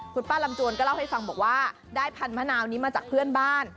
คุณป้าลำจวนก็เล่าให้ฟังบอกว่าได้พันธมะนาวนี้มาจากเพื่อนบ้าน